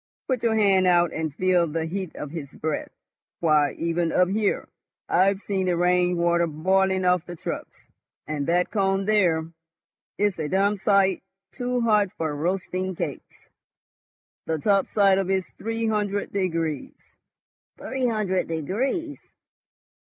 Put your hand out and feel the heat of his breath. Why, even up here I've seen the rain water boiling off the trucks. And that cone there. It's a damned sight too hot for roasting cakes. The top side of it's three hundred degrees." "Three hundred degrees!"